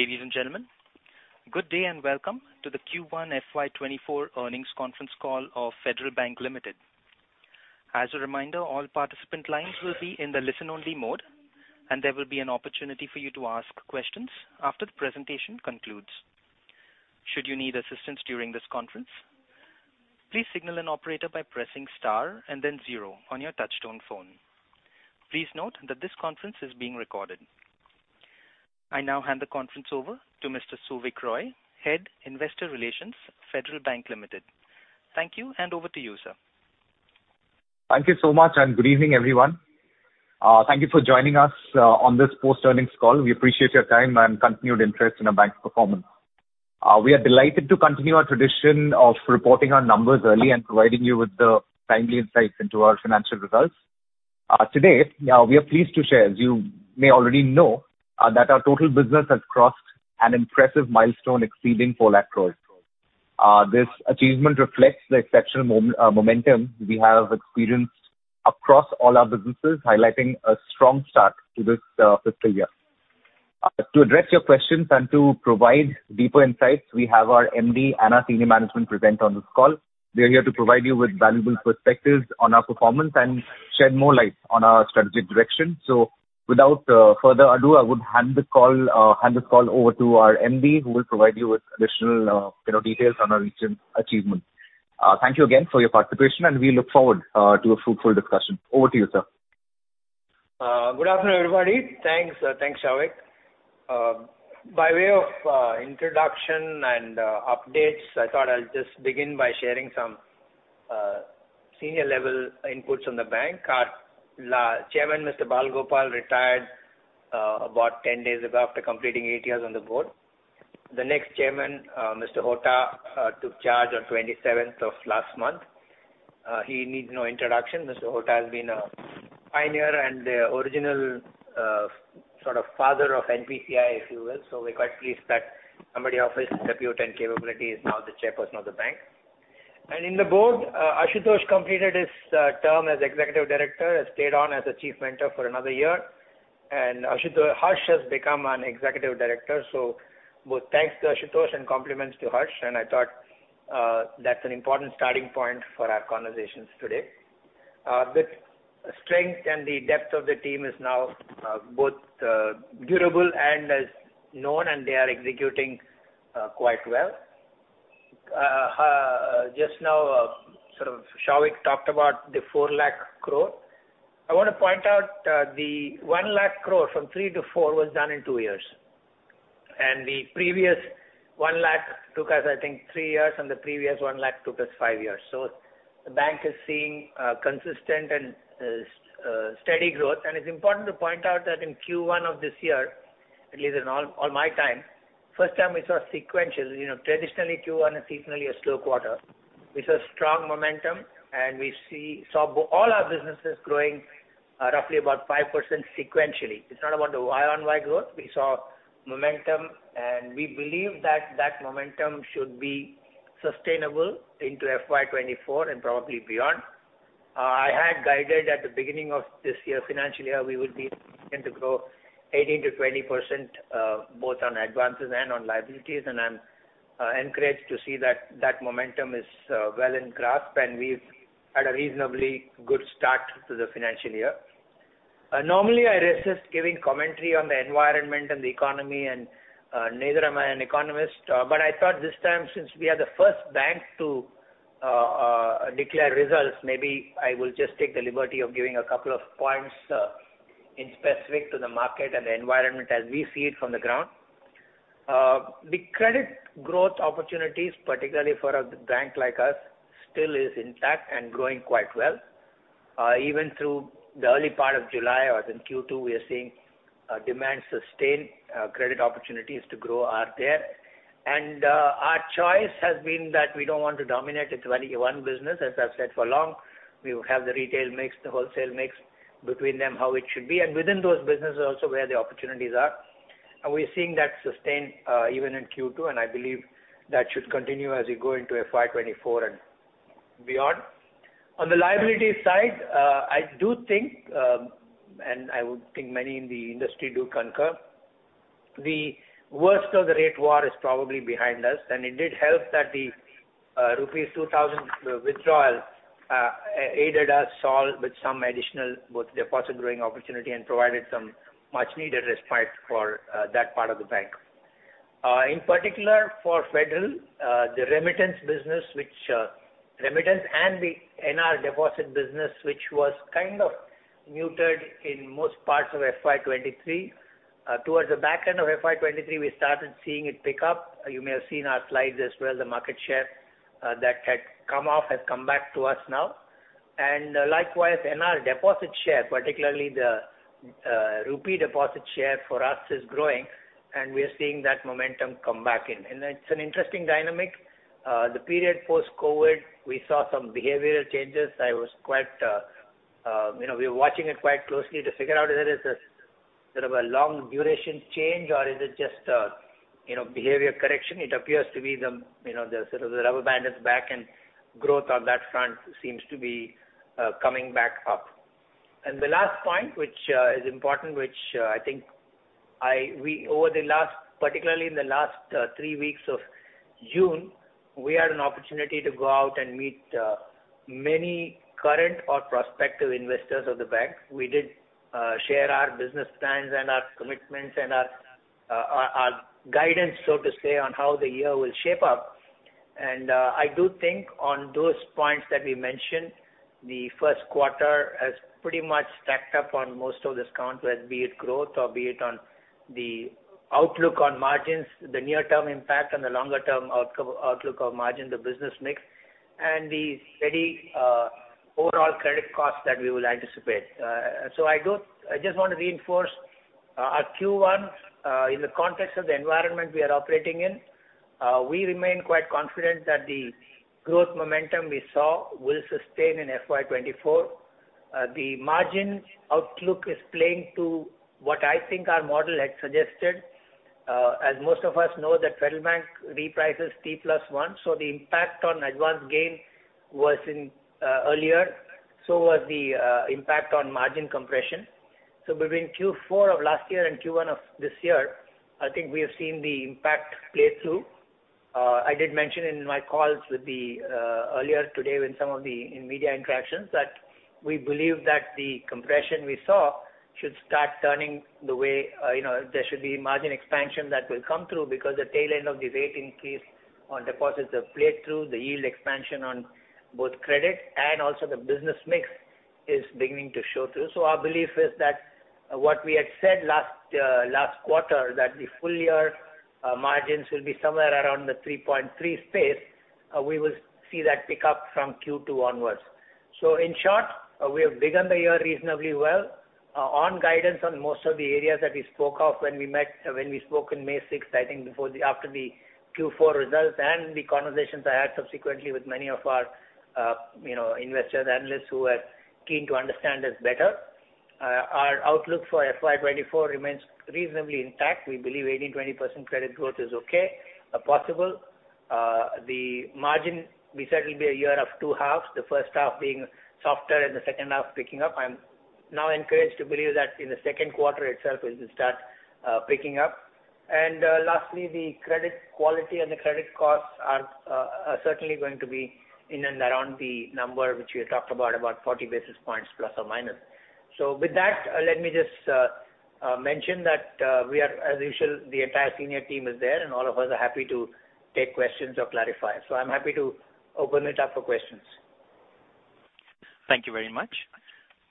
Ladies and gentlemen, good day, and welcome to the Q1 FY 2024 earnings conference call of Federal Bank Limited. As a reminder, all participant lines will be in the listen only mode, and there will be an opportunity for you to ask questions after the presentation concludes. Should you need assistance during this conference, please signal an operator by pressing star and then zero on your touchtone phone. Please note that this conference is being recorded. I now hand the conference over to Mr. Souvik Roy, Head, Investor Relations, Federal Bank Limited. Thank you, and over to you, sir. Thank you so much, and good evening, everyone. Thank you for joining us on this post earnings call. We appreciate your time and continued interest in our bank's performance. We are delighted to continue our tradition of reporting our numbers early and providing you with the timely insights into our financial results. Today, we are pleased to share, as you may already know, that our total business has crossed an impressive milestone exceeding 4 lakh crores. This achievement reflects the exceptional momentum we have experienced across all our businesses, highlighting a strong start to this fiscal year. To address your questions and to provide deeper insights, we have our MD and our senior management present on this call. They are here to provide you with valuable perspectives on our performance and shed more light on our strategic direction. Without further ado, I would hand this call over to our MD, who will provide you with additional, you know, details on our recent achievements. Thank you again for your participation, and we look forward to a fruitful discussion. Over to you, sir. Good afternoon, everybody. Thanks, thanks, Souvik. By way of introduction and updates, I thought I'll just begin by sharing some senior-level inputs on the bank. Our Chairman, Mr. Bal Gopal, retired about 10 days ago after completing eight years on the board. The next Chairman, Mr. Hota, took charge on 27th of last month. He needs no introduction. Mr. Hota has been a pioneer and the original sort of father of NPCI, if you will. We're quite pleased that somebody of his repute and capability is now the Chairperson of the bank. In the board, Ashutosh completed his term as Executive Director, has stayed on as a Chief Mentor for another year, and Harsh has become an Executive Director. Both thanks to Ashutosh and compliments to Harsh, and I thought, that's an important starting point for our conversations today. The strength and the depth of the team is now both durable and as known, and they are executing quite well. Just now sort of Souvik talked about the 4 lakh crore. I want to point out the 1 lakh crore, from three to four, was done in two years, and the previous 1 lakh took us, I think, three years, and the previous 1 lakh took us five years. The bank is seeing consistent and steady growth. It's important to point out that in Q1 of this year, at least in all my time, first time we saw sequential, you know, traditionally, Q1 is seasonally a slow quarter. We saw strong momentum, and saw all our businesses growing, roughly about 5% sequentially. It's not about the year-on-year growth. We saw momentum, and we believe that momentum should be sustainable into FY 2024 and probably beyond. I had guided at the beginning of this year, financial year, we would be looking to grow 18%-20%, both on advances and on liabilities, I'm encouraged to see that momentum is well in grasp, and we've had a reasonably good start to the financial year. Normally, I resist giving commentary on the environment and the economy, and neither am I an economist, but I thought this time, since we are the first bank to declare results, maybe I will just take the liberty of giving a couple of points in specific to the market and the environment as we see it from the ground. The credit growth opportunities, particularly for a bank like us, still is intact and growing quite well. Even through the early part of July or in Q2, we are seeing demand sustain, credit opportunities to grow are there. Our choice has been that we don't want to dominate with only one business. As I've said for long, we will have the retail mix, the wholesale mix between them, how it should be, and within those businesses also where the opportunities are. We're seeing that sustain even in Q2, and I believe that should continue as we go into FY 2024 and beyond. On the liability side, I do think, and I would think many in the industry do concur, the worst of the rate war is probably behind us, and it did help that the rupees 2,000 withdrawal aided us all with some additional, both deposit growing opportunity and provided some much needed respite for that part of the bank. In particular, for Federal, the remittance business, which remittance and the NR deposit business, which was kind of muted in most parts of FY 2023. Towards the back end of FY 2023, we started seeing it pick up. You may have seen our slides as well, the market share that had come off has come back to us now. Likewise, NR deposit share, particularly the rupee deposit share for us, is growing, and we are seeing that momentum come back in. It's an interesting dynamic. The period post-COVID, we saw some behavioral changes. I was quite, you know, we're watching it quite closely to figure out if there is a sort of a long duration change, or is it just a, you know, behavior correction? It appears to be the sort of the rubber band is back, and growth on that front seems to be coming back up. The last point, which is important, which I think we over the last, particularly in the last three weeks of June, we had an opportunity to go out and meet many current or prospective investors of the bank. We did share our business plans and our commitments and our, our guidance, so to say, on how the year will shape up. I do think on those points that we mentioned, the first quarter has pretty much stacked up on most of this count, whether be it growth or be it on the outlook on margins, the near-term impact and the longer term outlook on margin, the business mix, and the steady overall credit cost that we will anticipate. So I do. I just want to reinforce our Q1 in the context of the environment we are operating in, we remain quite confident that the growth momentum we saw will sustain in FY 20224. The margin outlook is playing to what I think our model had suggested. As most of us know, that Federal Bank reprices T+1, so the impact on advanced gain was in earlier, so was the impact on margin compression. Between Q4 of last year and Q1 of this year, I think we have seen the impact play through. I did mention in my calls with the earlier today in some of the in media interactions, that we believe that the compression we saw should start turning the way, you know, there should be margin expansion that will come through because the tail end of the rate increase on deposits have played through, the yield expansion on both credit and also the business mix is beginning to show through. Our belief is that what we had said last quarter, that the full year margins will be somewhere around the 3.3%, we will see that pick up from Q2 onwards. In short, we have begun the year reasonably well, on guidance on most of the areas that we spoke of when we spoke in May 6th, I think after the Q4 results and the conversations I had subsequently with many of our, you know, investor analysts who are keen to understand this better. Our outlook for FY 2024 remains reasonably intact. We believe 18%-20% credit growth is okay, possible. The margin, we said, will be a year of two halves, the first half being softer and the second half picking up. I'm now encouraged to believe that in the second quarter itself, it will start picking up. Lastly, the credit quality and the credit costs are certainly going to be in and around the number, which we had talked about 40 basis points plus or minus. With that, let me just mention that we are as usual, the entire senior team is there, and all of us are happy to take questions or clarify. I'm happy to open it up for questions. Thank you very much.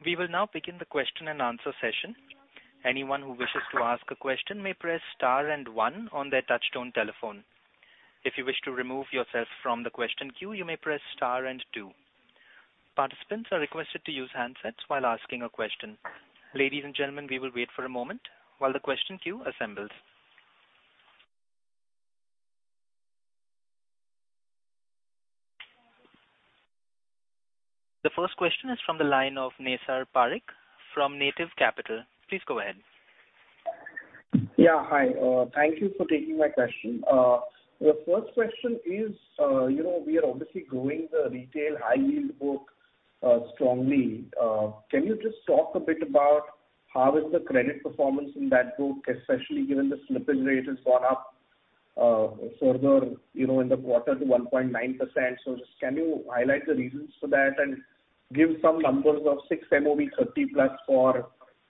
We will now begin the question-and-answer session. Anyone who wishes to ask a question may press star and one on their touchtone telephone. If you wish to remove yourself from the question queue, you may press star and two. Participants are requested to use handsets while asking a question. Ladies and gentlemen, we will wait for a moment while the question queue assembles. The first question is from the line of Naysar Parikh from Native Capital. Please go ahead. Yeah, hi. Thank you for taking my question. The first question is, you know, we are obviously growing the retail high yield book, strongly. Can you just talk a bit about how is the credit performance in that book, especially given the slippage rate has gone up, further, you know, in the quarter to 1.9%? Just can you highlight the reasons for that and give some numbers of 6 MOB 30+ for,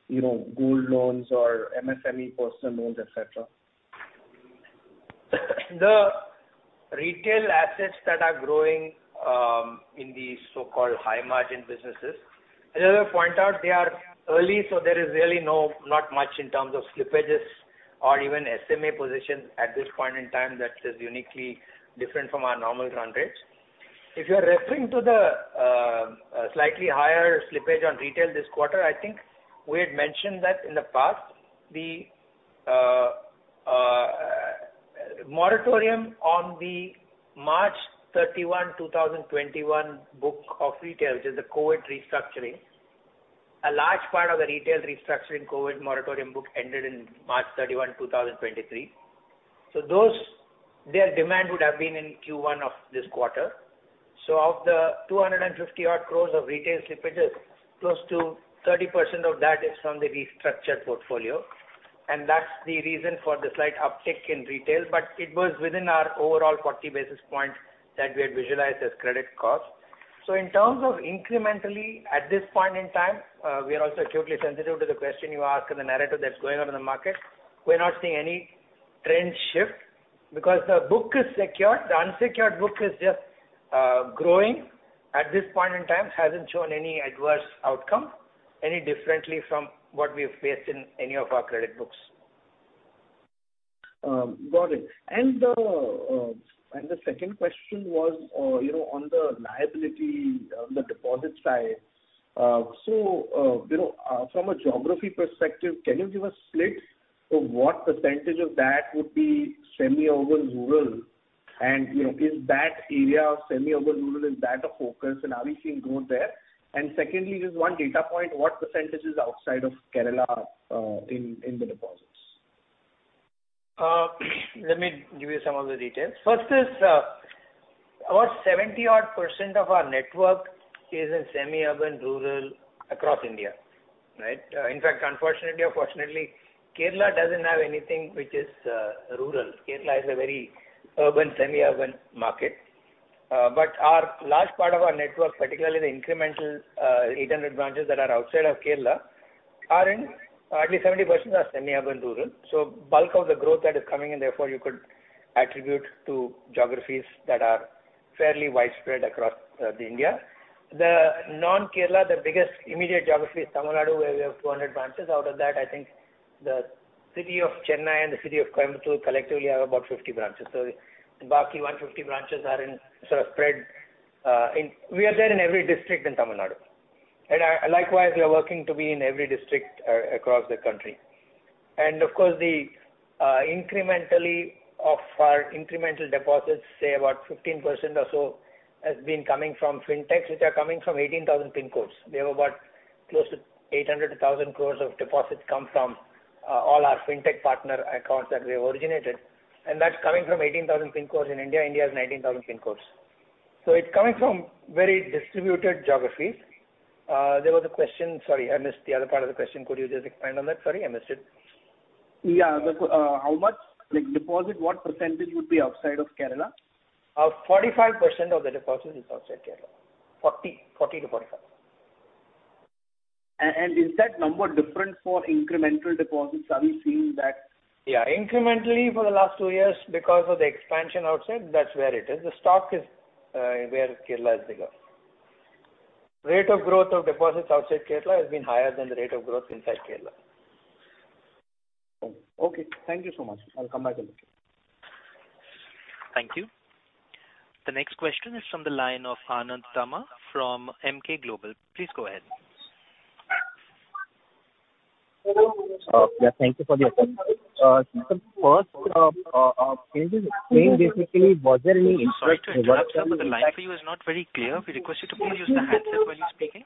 you know, gold loans or MSME personal loans, et cetera? The retail assets that are growing in the so called high margin businesses. Another point out, they are early, so there is really no, not much in terms of slippages or even SMA positions at this point in time that is uniquely different from our normal trend rates. If you are referring to the slightly higher slippage on retail this quarter, I think we had mentioned that in the past, the moratorium on the March 31, 2021 book of retail, which is the COVID restructuring. A large part of the retail restructuring COVID moratorium book ended in March 31, 2023. Those, their demand would have been in Q1 of this quarter. Of the 250 odd crores of retail slippages, close to 30% of that is from the restructured portfolio, and that's the reason for the slight uptick in retail, but it was within our overall 40 basis point that we had visualized as credit cost. In terms of incrementally, at this point in time, we are also acutely sensitive to the question you ask and the narrative that's going on in the market. We're not seeing any trend shift because the book is secured. The unsecured book is just growing. At this point in time, hasn't shown any adverse outcome, any differently from what we have faced in any of our credit books. Got it. The second question was, you know, on the liability, on the deposit side. you know, from a geography perspective, can you give a split of what % of that would be semi urban, rural? you know, is that area of semi-urban, rural, is that a focus, and are we seeing growth there? Secondly, just 1 data point, what % is outside of Kerala, in the deposits? Let me give you some of the details. First is, about 70% odd of our network is in semi urban, rural, across India, right? In fact, unfortunately or fortunately, Kerala doesn't have anything which is rural. Kerala is a very urban, semi urban market. But our large part of our network, particularly the incremental, 800 branches that are outside of Kerala, are in, at least 70% are semi urban, rural. Bulk of the growth that is coming in, therefore, you could attribute to geographies that are fairly widespread across the India. The non Kerala, the biggest immediate geography is Tamil Nadu, where we have 200 branches. Out of that, I think the city of Chennai and the city of Coimbatore collectively have about 50 branches. The baaki 150 branches are in, sort of, spread in... We are there in every district in Tamil Nadu. Likewise, we are working to be in every district across the country. Of course, the incrementally of our incremental deposits, say about 15% or so, has been coming from fintechs, which are coming from 18,000 PIN codes. We have about close to 800 crores-1,000 crores of deposits come from all our fintech partner accounts that we have originated, and that's coming from 18,000 PIN codes in India. India has 19,000 PIN codes. It's coming from very distributed geographies. There was a question. Sorry, I missed the other part of the question. Could you just expand on that? Sorry, I missed it. Yeah, how much, like, deposit, what % would be outside of Kerala? 45% of the deposits is outside Kerala. 40 to 45. Is that number different for incremental deposits? Yeah, incrementally for the last two years, because of the expansion outside, that's where it is. The stock is, where Kerala is bigger. Rate of growth of deposits outside Kerala has been higher than the rate of growth inside Kerala. Okay. Thank you so much. I'll come back again. Thank you. The next question is from the line of Anand Dama from Emkay Global. Please go ahead. Yeah, thank you for the update. First, is basically, was there any- Sorry to interrupt, sir, but the line for you is not very clear. We request you to please use the handset while you're speaking.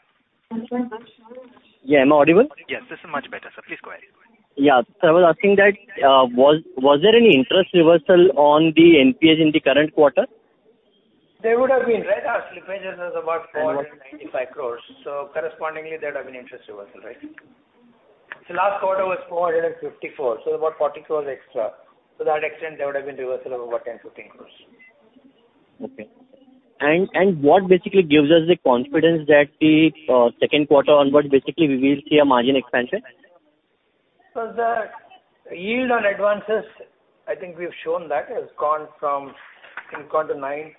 Yeah. Am I audible? Yes, this is much better, sir. Please go ahead. Yeah. I was asking that, was there any interest reversal on the NPA in the current quarter? There would have been, right? Our slippage is about 495 crores, so correspondingly there would have been interest reversal, right? Last quarter was 454, so about 40 crores extra. To that extent, there would have been reversal of about 10 crores-15 crores. Okay. What basically gives us the confidence that the second quarter onwards, basically we will see a margin expansion? The yield on advances, I think we've shown that, has gone to 9.20%,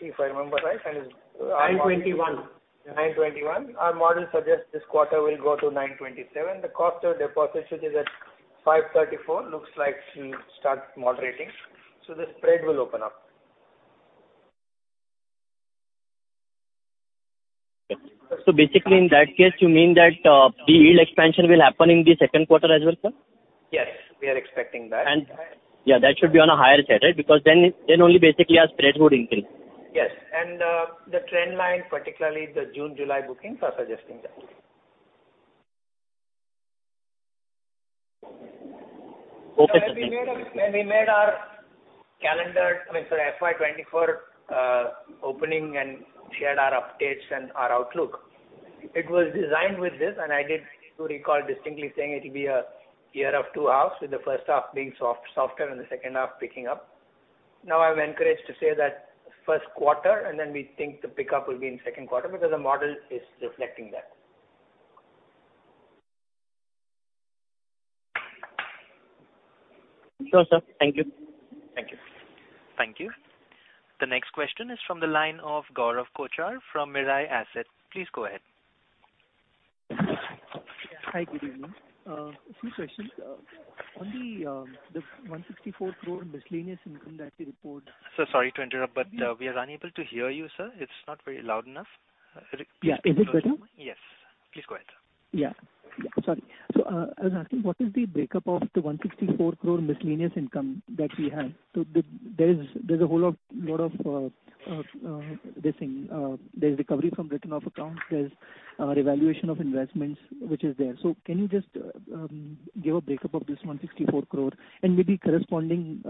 if I remember right? 9:21. 9.21%. Our model suggests this quarter will go to 9.27%. The cost of deposits, which is at 5.34%, looks like she starts moderating, so the spread will open up. Basically, in that case, you mean that the yield expansion will happen in the second quarter as well, sir? Yes, we are expecting that. Yeah, that should be on a higher side, right? Because then only basically our spreads would increase. Yes, the trend line, particularly the June, July bookings, are suggesting that. Okay. When we made our calendar, sorry, FY 2024 opening and shared our updates and our outlook, it was designed with this, and I did recall distinctly saying it'll be a year of two halves, with the first half being soft, softer, and the second half picking up. Now, I'm encouraged to say that first quarter, and then we think the pickup will be in second quarter, because the model is reflecting that. Sure, sir. Thank you. Thank you. Thank you. The next question is from the line of Gaurav Kochar from Mirae Asset. Please go ahead. Hi, good evening. A few questions. On the 164 crore miscellaneous income that you. Sir, sorry to interrupt, we are unable to hear you, sir. It's not very loud enough. Yeah. Is it better? Yes. Please go ahead, sir. Yeah. Sorry. I was asking, what is the breakup of the 164 crore miscellaneous income that we have? There's a whole lot of this thing, there's recovery from written off accounts, there's revaluation of investments, which is there. Can you just give a breakup of this 164 crore and maybe corresponding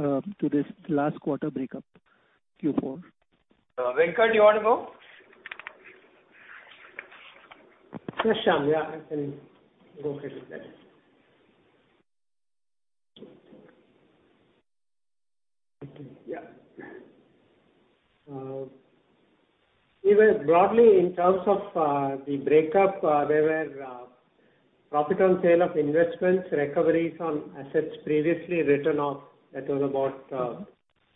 to this last quarter breakup, Q4? Venkat, do you want to go? Sure, Shyam, I can go ahead with that. Even broadly, in terms of the breakup, there were profit on sale of investments, recoveries on assets previously written off, that was about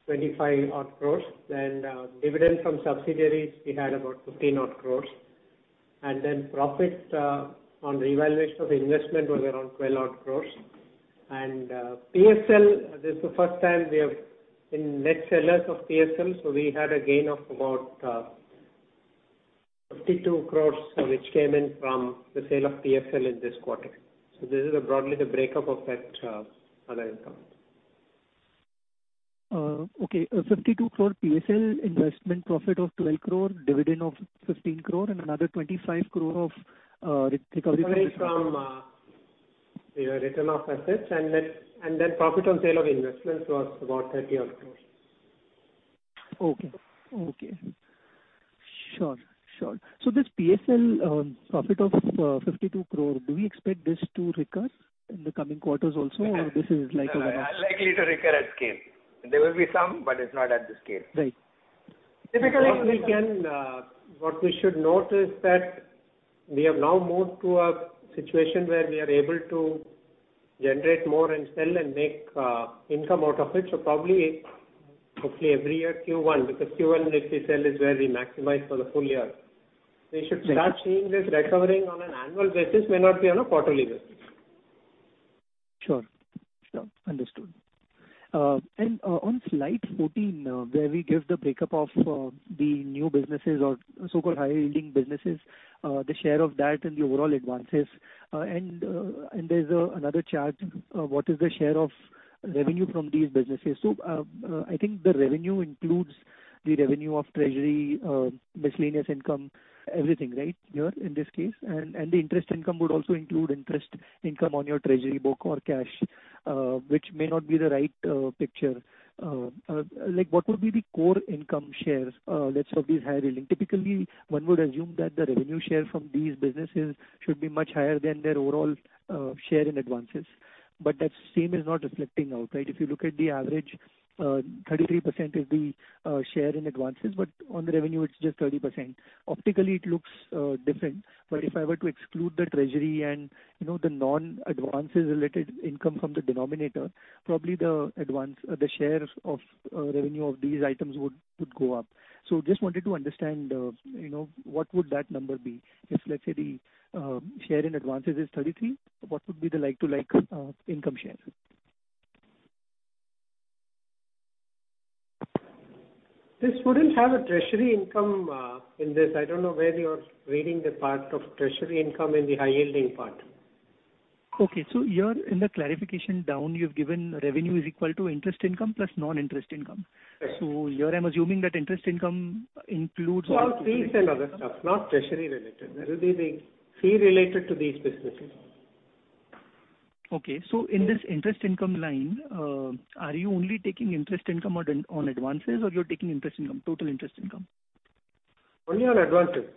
25 odd crores. Dividends from subsidiaries, we had about 15 odd crores. Profits on revaluation of investment was around 12 odd crores. PSL, this is the first time we have been net sellers of PSL, so we had a gain of about 52 crores, which came in from the sale of PSL in this quarter. This is a broadly the breakup of that other income. Okay. 52 crore PSL investment profit of 12 crore, dividend of 15 crore and another 25 crore of recovery- From the return of assets, and then profit on sale of investments was about 30 odd crores. Okay. Okay. Sure, sure. This PSL profit of 52 crore, do we expect this to recur in the coming quarters also, or this is like a one-off? No, unlikely to recur at scale. There will be some, but it's not at this scale. Right. Typically, we can. What we should note is that we have now moved to a situation where we are able to generate more and sell and make income out of it. Probably, hopefully every year, Q1, because Q1, if we sell, is where we maximize for the full year. We should start. Right Seeing this recovering on an annual basis, may not be on a quarterly basis. Sure. Understood. On slide 14, where we give the breakup of the new businesses or so-called high-yielding businesses, the share of that in the overall advances, and there's another chart, what is the share of revenue from these businesses? I think the revenue includes the revenue of treasury, miscellaneous income, everything, right? Here, in this case, and the interest income would also include interest income on your treasury book or cash, which may not be the right picture. Like, what would be the core income shares, let's say, of these high-yielding? Typically, one would assume that the revenue share from these businesses should be much higher than their overall share in advances. That same is not reflecting out, right? If you look at the average, 33% is the share in advances, but on the revenue, it's just 30%. Optically, it looks different, but if I were to exclude the treasury and, you know, the non-advances related income from the denominator, probably the share of revenue of these items would go up. Just wanted to understand, you know, what would that number be? If, let’s say, the share in advances is 33, what would be the like to like income share? This wouldn't have a treasury income, in this. I don't know where you're reading the part of treasury income in the high-yielding part. Okay. Here in the clarification down, you've given revenue is equal to interest income plus non-interest income. Right. Here I'm assuming that interest income includes. Some fees and other stuff, not treasury related. That will be the fee related to these businesses. Okay. In this interest income line, are you only taking interest income on advances, or you're taking interest income, total interest income? Only on advances.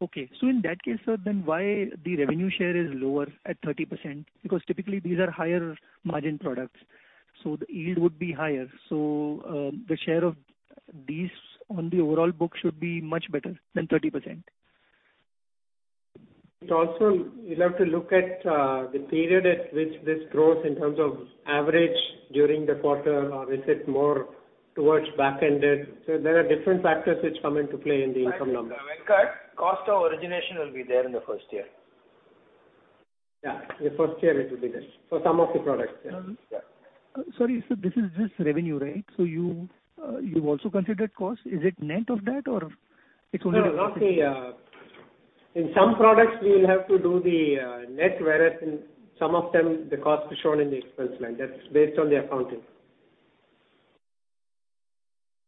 Okay. In that case, sir, then why the revenue share is lower at 30%? Typically, these are higher margin products, so the yield would be higher. The share of these on the overall book should be much better than 30%. Also, you'll have to look at the period at which this grows in terms of average during the quarter, or is it more towards back ended. There are different factors which come into play in the income numbers. Venkat, cost of origination will be there in the first year. Yeah, the first year it will be there for some of the products. Yeah. Sorry, sir, this is just revenue, right? You've also considered cost. Is it net of that or it's only the? No, not the. In some products, we will have to do the net, whereas in some of them, the cost is shown in the expense line. That's based on the accounting.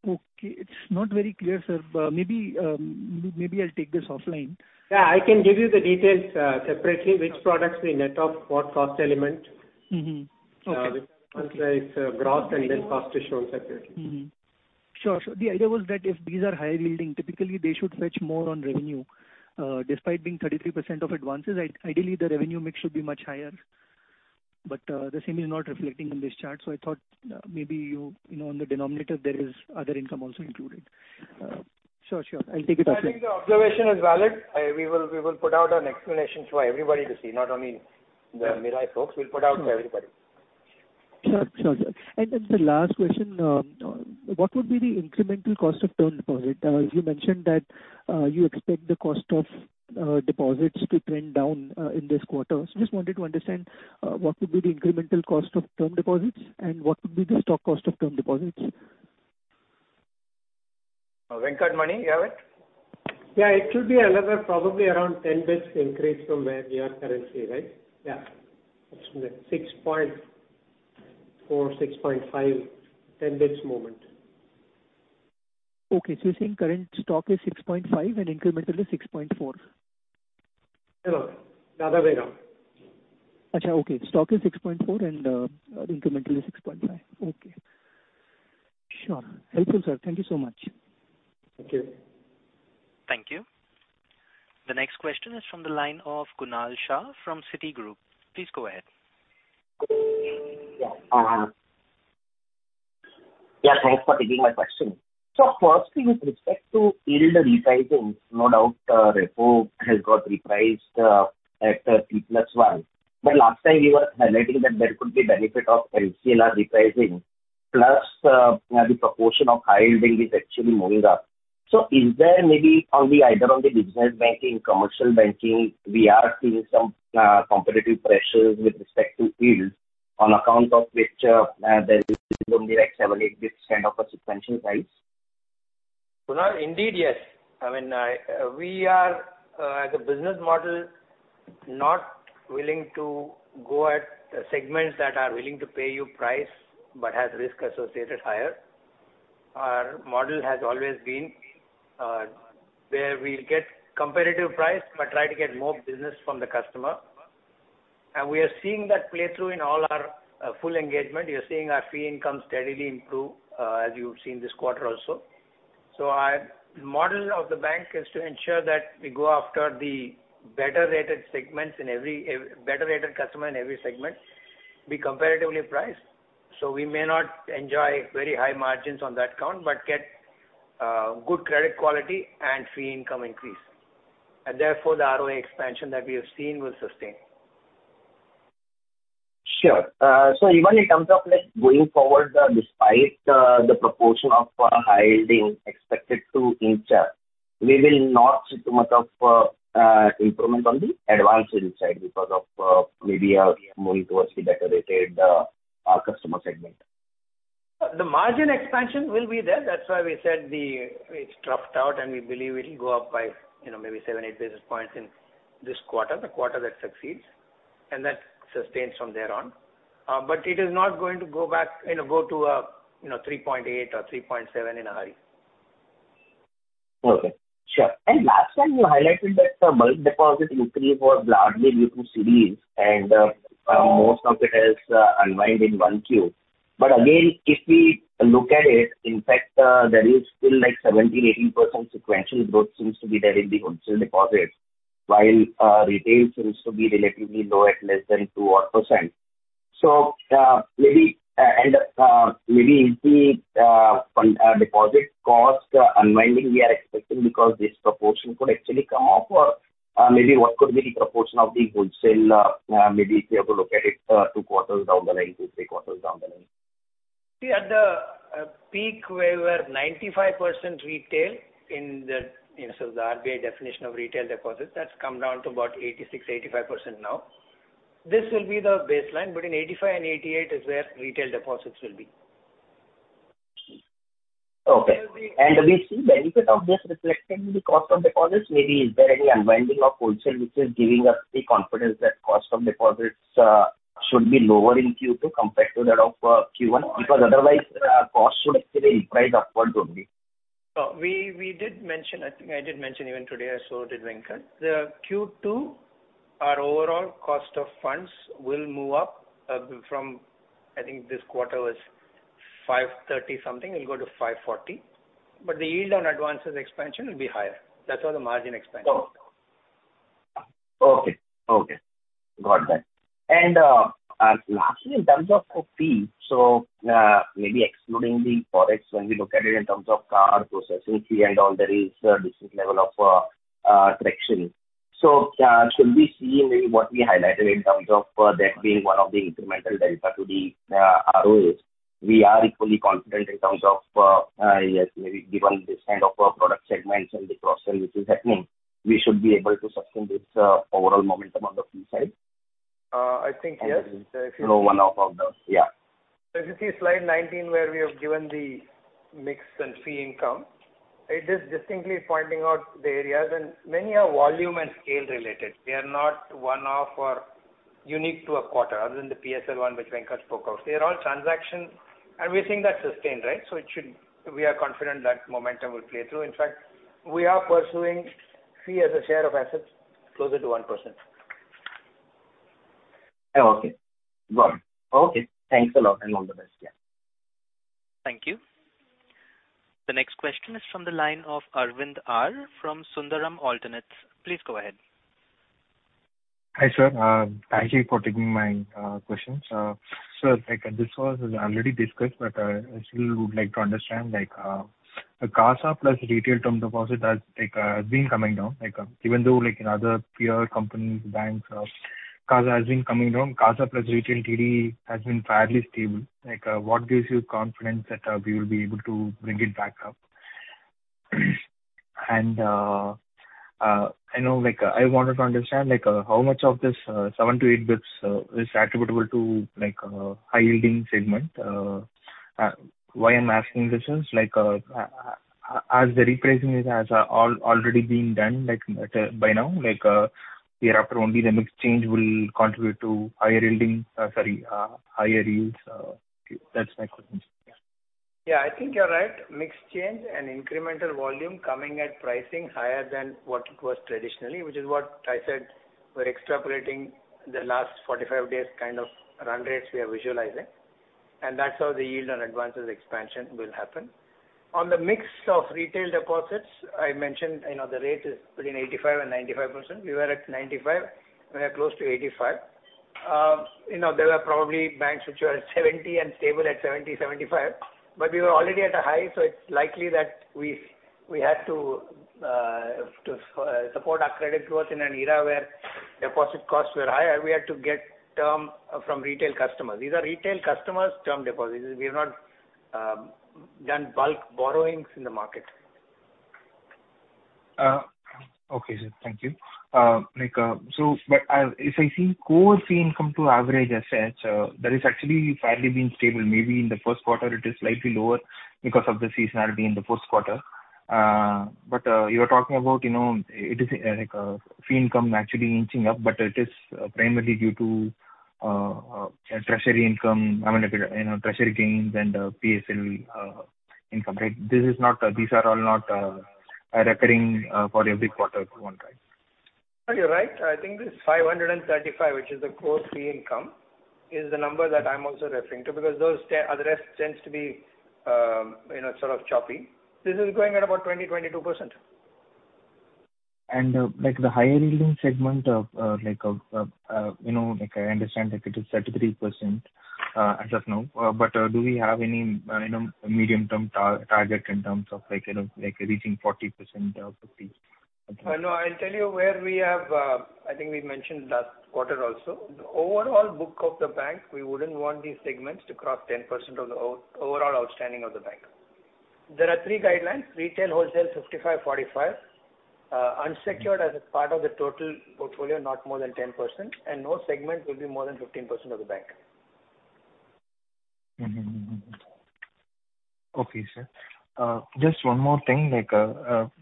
Okay. It's not very clear, sir. Maybe I'll take this offline. Yeah, I can give you the details, separately, which products we net off, what cost element. Mm-hmm. Okay. It's gross and then cost is shown separately. Sure. The idea was that if these are high-yielding, typically they should fetch more on revenue. Despite being 33% of advances, ideally, the revenue mix should be much higher. The same is not reflecting in this chart. I thought, maybe you know, in the denominator, there is other income also included. Sure, sure. I'll take it offline. I think the observation is valid. We will put out an explanation to everybody to see, not only the Mirae folks. Sure. We'll put out to everybody. Sure. Sure, sir. The last question, what would be the incremental cost of term deposit? You mentioned that, you expect the cost of deposits to trend down in this quarter. Just wanted to understand, what would be the incremental cost of term deposits and what would be the stock cost of term deposits? Venkatraman Venkateswaran, you have it? Yeah, it should be another probably around 10 basis points increase from where we are currently, right? Yeah. 6.4, 6.5, 10 basis points movement. Okay. You're saying current stock is 6.5 and incremental is 6.4? No, the other way around. Okay, stock is 6.4 and incremental is 6.5. Okay. Sure. Helpful, sir. Thank you so much. Thank you. Thank you. The next question is from the line of Kunal Shah from Citigroup. Please go ahead. Yeah. Yeah, thanks for taking my question. Firstly, with respect to yield repricing, no doubt, repo has got repriced at T+1. Last time you were highlighting that there could be benefit of LCLR repricing, plus, the proportion of high yielding is actually moving up. Is there maybe on the, either on the business banking, commercial banking, we are seeing some competitive pressures with respect to yields? On account of which, there is only like seven, eight, this kind of a sequential rise. Now, indeed, yes. I mean, I, we are as a business model, not willing to go at segments that are willing to pay you price, but has risk associated higher. Our model has always been where we'll get competitive price, but try to get more business from the customer. We are seeing that play through in all our full engagement. You're seeing our fee income steadily improve as you've seen this quarter also. Our model of the bank is to ensure that we go after the better-rated segments in every better-rated customer in every segment, be comparatively priced. We may not enjoy very high margins on that count, but get good credit quality and fee income increase. Therefore, the ROA expansion that we have seen will sustain. Sure. Even in terms of, like, going forward, despite the proportion of high yielding expected to inch up, we will not see too much of improvement on the advances side because of maybe moving towards the better-rated our customer segment. The margin expansion will be there. That's why we said the, it's roughed out, and we believe it'll go up by, you know, maybe seven, eight basis points in this quarter, the quarter that succeeds, and that sustains from there on. It is not going to go back, you know, go to, you know, 3.8 or 3.7 in a hurry. Okay. Sure. Last time you highlighted that the bulk deposit increase was largely due to CDs, most of it is unwind in 1Q. Again, if we look at it, in fact, there is still, like, 17%-18% sequential growth seems to be there in the wholesale deposits, while retail seems to be relatively low at less than 2% odd. Maybe, and maybe in the deposit cost unwinding, we are expecting because this proportion could actually come up or, maybe what could be the proportion of the wholesale, maybe if you have to look at it, two quarters down the line, two to three quarters down the line? See, at the peak, we were 95% retail in the, you know, so the RBI definition of retail deposits, that's come down to about 86%, 85% now. This will be the baseline, but in 85 and 88 is where retail deposits will be. Okay. We see benefit of this reflecting the cost of deposits. Maybe is there any unwinding of wholesale which is giving us the confidence that cost of deposits should be lower in Q2 compared to that of Q1? Otherwise, cost should actually rise upwards only. We did mention, I think I did mention even today, so did Venkat. The Q2, our overall cost of funds will move up from, I think this quarter was 5.30 something, it'll go to 5.40, but the yield on advances expansion will be higher. That's how the margin expansion. Okay. Okay. Got that. Lastly, in terms of fees, maybe excluding the Forex, when we look at it in terms of, processing fee and all, there is a decent level of, correction. Should we see maybe what we highlighted in terms of, that being one of the incremental delta to the, ROAs? We are equally confident in terms of, yes, maybe given this kind of, product segments and the process which is happening, we should be able to sustain this, overall momentum on the fee side? I think, yes. No one off of those. Yeah. If you see slide 19, where we have given the mix and fee income, it is distinctly pointing out the areas, and many are volume and scale related. They are not one off or unique to a quarter, other than the PSL one, which Venkat spoke of. They are all transaction, and we think that's sustained, right? We are confident that momentum will play through. In fact, we are pursuing fee as a share of assets closer to 1%. Okay. Got it. Okay, thanks a lot, and all the best. Yeah. Thank you. The next question is from the line of Arvind R from Sundaram Alternates. Please go ahead. Hi, sir. Thank you for taking my questions. Like, this was already discussed, I still would like to understand, like, the CASA plus retail term deposit has been coming down, even though, like, in other peer companies, banks, CASA has been coming down, CASA plus retail TD has been fairly stable. Like, what gives you confidence that we will be able to bring it back up? I know, like, I wanted to understand, like, how much of this 7-8 bits is attributable to, like, high yielding segment, why I'm asking this is, like, as the repricing is already been done, like, by now, like, hereafter only the mix change will contribute to higher yielding, higher yields? That's my question. Yeah, I think you're right. Mix change and incremental volume coming at pricing higher than what it was traditionally, which is what I said, we're extrapolating the last 45 days kind of run rates we are visualizing, and that's how the yield on advances expansion will happen. On the mix of retail deposits, I mentioned, the rate is between 85% and 95%. We were at 95, we are close to 85. There were probably banks which were at 70 and stable at 70, 75. We were already at a high, so it's likely that we had to support our credit growth in an era where deposit costs were higher, we had to get term from retail customers. These are retail customers' term deposits. We have not done bulk borrowings in the market. Okay, sir. Thank you. Like, if I see core fee income to average assets, that is actually fairly been stable. Maybe in the first quarter it is slightly lower because of the seasonality in the first quarter. But you are talking about, you know, it is, like, fee income actually inching up, but it is primarily due to treasury income. I mean, you know, treasury gains and PSL income, right? This is not, these are all not recurring for every quarter if you want, right? No, you're right. I think this 535, which is the core fee income, is the number that I'm also referring to, because those, the rest tends to be, you know, sort of choppy. This is growing at about 20%-22%. Like the higher yielding segment of, like, of, you know, like, I understand, like, it is 33% as of now. Do we have any, you know, medium-term target in terms of like, you know, like reaching 40% or 50%? Well, no, I'll tell you where we have. I think we mentioned last quarter also. The overall book of the bank, we wouldn't want these segments to cross 10% of the overall outstanding of the bank. There are three guidelines: retail, wholesale, 55, 45. Unsecured as a part of the total portfolio, not more than 10%, and no segment will be more than 15% of the bank. Mm-hmm. Okay, sir. Just one more thing, like,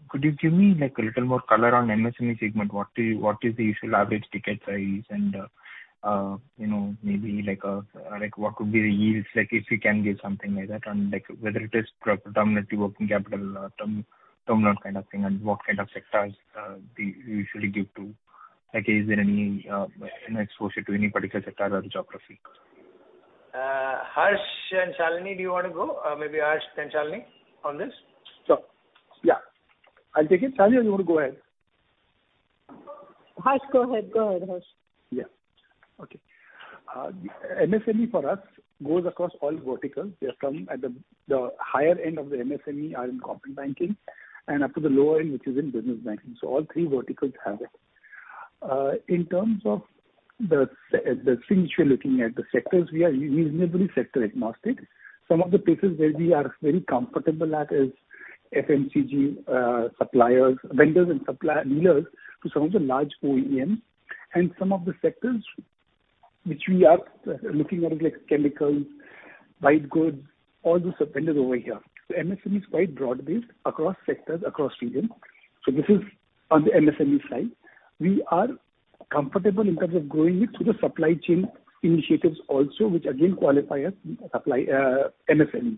could you give me, like, a little more color on MSME segment? What is the usual average ticket size and, you know, maybe like, what could be the yields, like, if you can give something like that, and, like, whether it is predominantly working capital, or term loan kind of thing, and what kind of sectors do you usually give to? Like, is there any exposure to any particular sector or geography? Harsh and Shalini, do you want to go? Maybe Harsh and Shalini on this? Sure. Yeah. I'll take it. Shalini, do you want to go ahead? Harsh, go ahead. Go ahead, Harsh. Yeah. Okay. MSME for us goes across all verticals. They come at the higher end of the MSME are in corporate banking and up to the lower end, which is in business banking. All three verticals have it. In terms of the things we're looking at, the sectors, we are usually sector agnostic. Some of the places where we are very comfortable at is FMCG, suppliers, vendors and supply dealers to some of the large OEMs. Some of the sectors which we are looking at is like chemicals, white goods, all those vendors over here. MSME is quite broad-based across sectors, across regions. This is on the MSME side. We are comfortable in terms of growing it through the supply chain initiatives also, which again qualify as supply, MSME.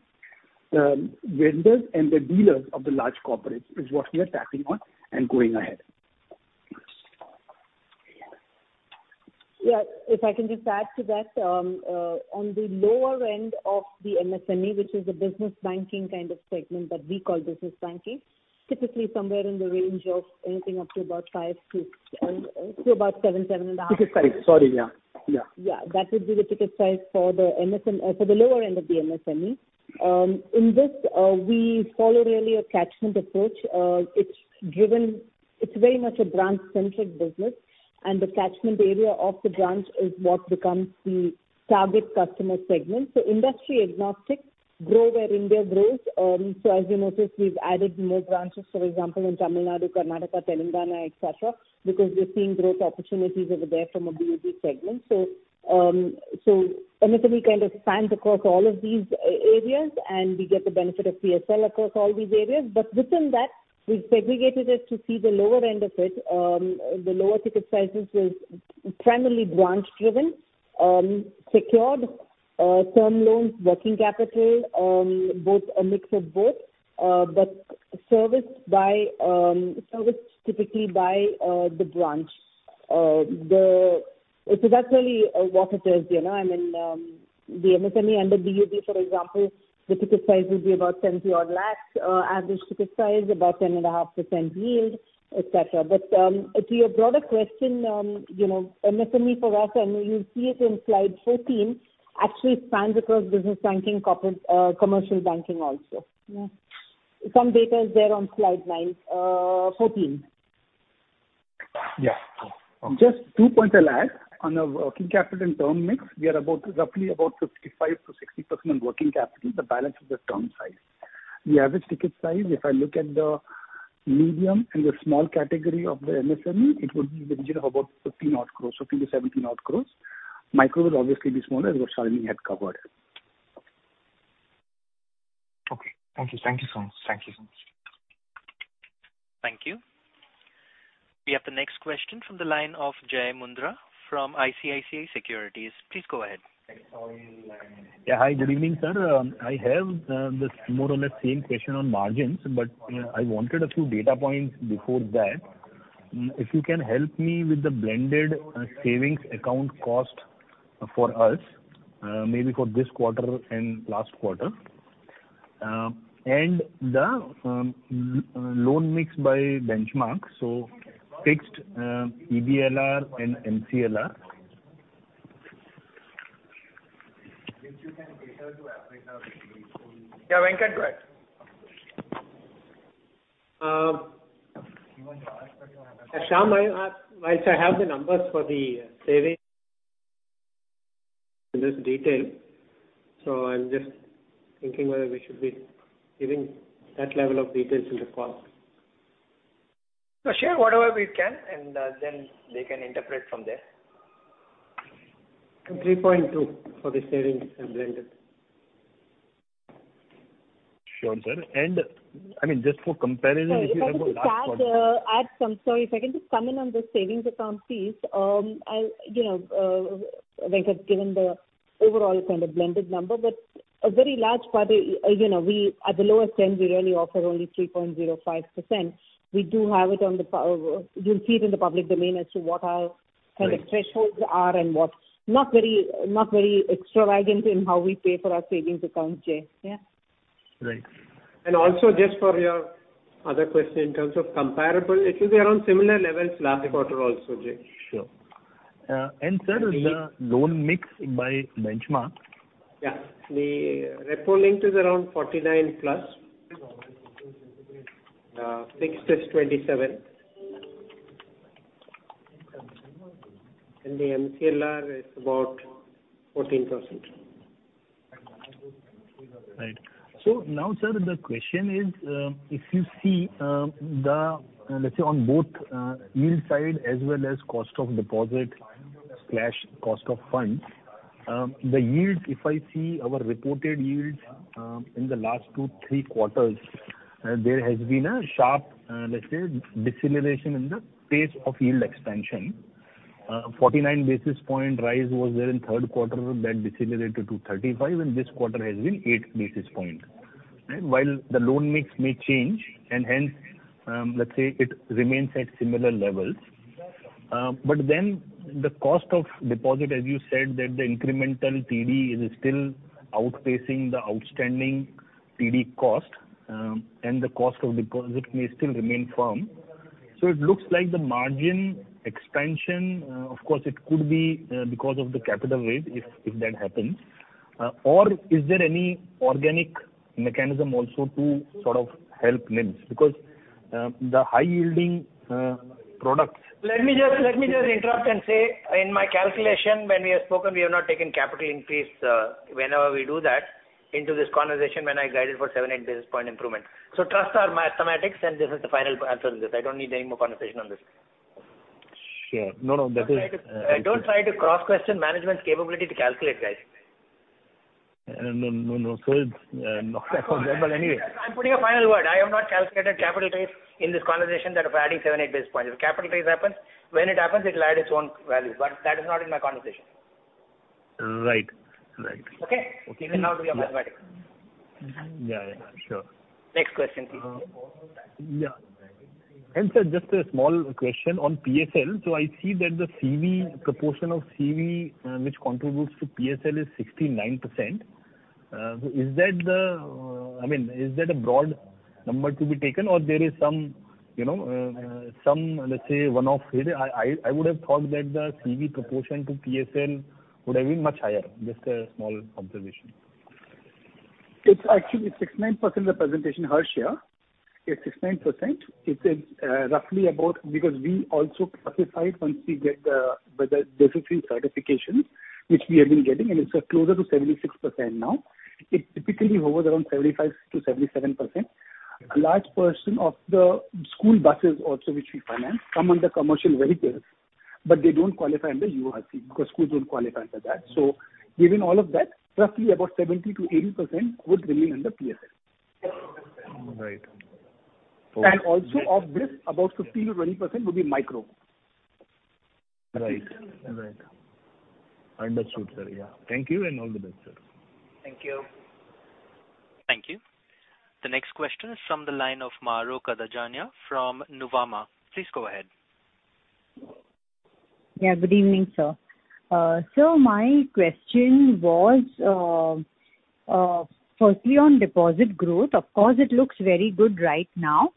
Vendors and the dealers of the large corporates is what we are tapping on and going ahead. If I can just add to that, on the lower end of the MSME, which is the business banking kind of segment that we call business banking, typically somewhere in the range of anything up to about 5 to about 7.5. Ticket size. Sorry, yeah. Yeah. That would be the ticket size for the MSME, for the lower end of the MSME. In this, we follow really a catchment approach. It's driven, it's very much a branch-centric business, and the catchment area of the branch is what becomes the target customer segment. Industry agnostic, grow where India grows. As you notice, we've added more branches, for example, in Tamil Nadu, Karnataka, Telangana, et cetera, because we're seeing growth opportunities over there from a B2B segment. MSME kind of spans across all of these areas, and we get the benefit of PSL across all these areas. Within that, we've segregated it to see the lower end of it. The lower ticket sizes is primarily branch-driven, secured, term loans, working capital, both, a mix of both, but serviced typically by the branch. That's really what it is, you know. I mean, the MSME under B2B, for example, the ticket size would be about 10 to odd lakhs, average ticket size, about 10.5 to 10 yield, et cetera. To your broader question, you know, MSME for us, and you'll see it in slide 14, actually spans across business banking, corporate, commercial banking also. Yeah. Some data is there on slide nine, 14. Yeah. Okay. Just two points I'll add. On the working capital and term mix, we are about, roughly about 55%-60% on working capital. The balance is the term size. The average ticket size, if I look at the medium and the small category of the MSME, it would be in the region of about 15 odd crores or 15-17 odd crores. Micro would obviously be smaller, what Shalini had covered. Okay. Thank you. Thank you so much. Thank you so much. Thank you. We have the next question from the line of Jai Mundhra from ICICI Securities. Please go ahead. Thanks for calling. Yeah, hi, good evening, sir. I have this more on the same question on margins, but I wanted a few data points before that. If you can help me with the blended savings account cost for us, maybe for this quarter and last quarter, and the loan mix by benchmark, so fixed, BPLR and MCLR. Which you can get her to apply now. Yeah, Venkat, go ahead. Shyam, I, while I have the numbers for the in this detail, so I'm just thinking whether we should be giving that level of details in the call. No, sure, whatever we can, and, then they can interpret from there. 3.2% for the savings and blended. Sure, sir. I mean, just for comparison, if you look at last quarter... Sorry, if I can just come in on the savings account piece. I, you know, like, given the overall kind of blended number, but a very large part, you know, we at the lower end, we really offer only 3.05%. We do have it on the power- you'll see it in the public domain as to what our... Right. Kind of thresholds are and what, not very, not very extravagant in how we pay for our savings account, Jay, yeah. Right. Also, just for your other question in terms of comparable, it will be around similar levels last quarter also, Jai. Sure. Sir, the loan mix by benchmark? Yeah. The repo link is around 49%+. fixed is 27%, and the MCLR is about 14%. Right. Now, sir, the question is, if you see, the, let's say, on both, yield side as well as cost of deposit slash cost of funds, the yield, if I see our reported yields, in the last two, three quarters, there has been a sharp, let's say, deceleration in the pace of yield expansion. 49 basis point rise was there in third quarter. That decelerated to 35, and this quarter has been 8 basis point. While the loan mix may change, and hence, let's say it remains at similar levels, the cost of deposit, as you said, that the incremental TD is still outpacing the outstanding TD cost, and the cost of deposit may still remain firm. It looks like the margin expansion, of course, it could be because of the capital raise, if that happens. Or is there any organic mechanism also to sort of help NIMs? Because the high yielding product-. Let me just interrupt and say, in my calculation, when we have spoken, we have not taken capital increase whenever we do that into this conversation when I guided for 7, 8 basis point improvement. Trust our mathematics, and this is the final answer to this. I don't need any more conversation on this. Sure. No, no, that is. Don't try to cross question management's capability to calculate, guys. No, no. It's not that, but anyway. I'm putting a final word. I have not calculated capital raise in this conversation that of adding 7, 8 basis points. If capital raise happens, when it happens, it'll add its own value, but that is not in my conversation. Right. Right. Okay? Okay. You can now do your mathematics. Yeah, yeah. Sure. Next question, please. Yeah. Sir, just a small question on PSL. I see that the CV, proportion of CV, which contributes to PSL is 69%. Is that the, I mean, is that a broad number to be taken or there is some, you know, some, let's say, one-off here? I would have thought that the CV proportion to PSL would have been much higher. Just a small observation. It's actually 69% the presentation, Harsha. It's 69%. It is roughly about, because we also classified once we get whether there's a few certifications, which we have been getting, and it's closer to 76% now. It typically hovers around 75%-77%. A large portion of the school buses also, which we finance, come under commercial vehicles, but they don't qualify under URC because schools don't qualify under that. Given all of that, roughly about 70%-80% would remain under PSL. Right. Also, of this, about 15%-20% would be micro. Right. Right. Understood, sir. Yeah. Thank you, and all the best, sir. Thank you. Thank you. The next question is from the line of Mahrukh Adajania from Nuvama. Please go ahead. Good evening, sir. So my question was, firstly, on deposit growth. Of course, it looks very good right now.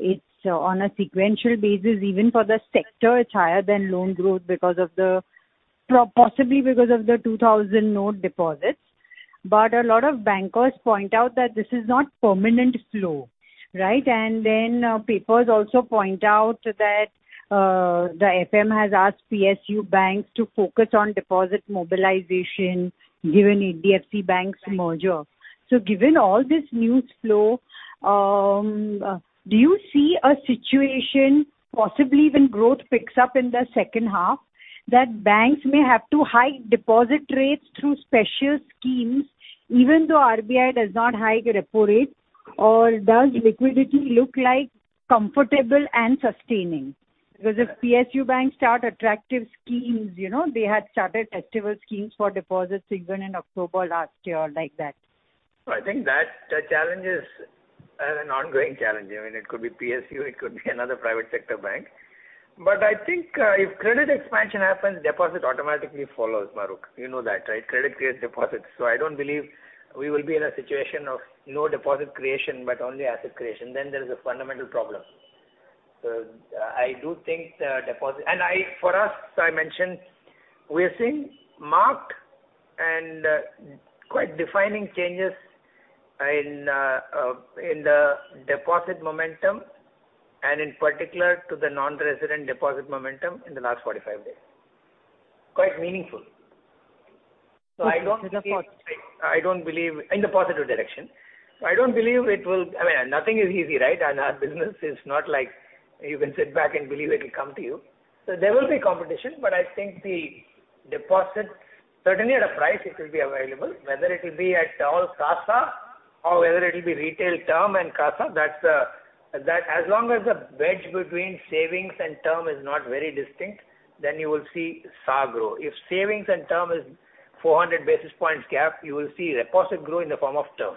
It's on a sequential basis, even for the sector, it's higher than loan growth because of the possibly because of the 2,000 note deposits. A lot of bankers point out that this is not permanent slow, right? Papers also point out that the FM has asked PSU banks to focus on deposit mobilization, given HDFC Bank's merger. Given all this news flow, do you see a situation, possibly when growth picks up in the second half, that banks may have to hike deposit rates through special schemes, even though RBI does not hike repo rate? Or does liquidity look like comfortable and sustaining? If PSU banks start attractive schemes, you know, they had started attractive schemes for deposits even in October last year, like that. I think that, the challenge is an ongoing challenge. I mean, it could be PSU, it could be another private sector bank. I think, if credit expansion happens, deposit automatically follows, Mahrukh. You know that, right? Credit creates deposits. I don't believe we will be in a situation of no deposit creation, but only asset creation, then there is a fundamental problem. I do think the deposit. For us, I mentioned, we are seeing marked and quite defining changes in the deposit momentum and in particular to the non-resident deposit momentum in the last 45 days. Quite meaningful. I don't believe, I don't believe in the positive direction. I don't believe it will. I mean, nothing is easy, right? Our business is not like you can sit back and believe it will come to you. There will be competition, but I think the deposit, certainly at a price, it will be available, whether it will be at all CASA or whether it will be retail term and CASA, that's, as long as the wedge between savings and term is not very distinct, then you will see saga. If savings and term is 400 basis points gap, you will see deposit grow in the form of term.